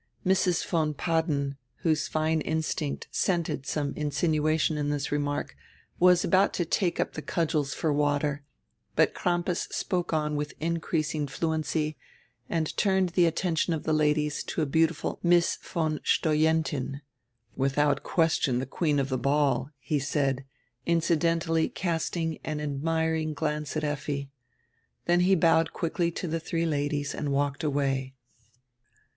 Mrs. von Padden, whose fine instinct scented some insinu ation in this remark, was about to take up the cudgels for water, but Crampas spoke on with increasing fluency and turned die attention of die ladies to a beautiful Miss von Stojentin, "without question die queen of die ball," he said, incidentally casting an admiring glance at Effi. Then he bowed quickly to die three ladies and walked away.